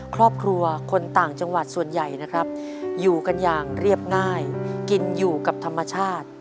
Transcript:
ครอบครัวคนต่างจังหวัดส่วนใหญ่นะครับอยู่กันอย่างเรียบง่ายกินอยู่กับธรรมชาติ